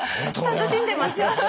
楽しんでますか？